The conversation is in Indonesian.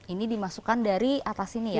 ini dimasukkan dari atas ini ya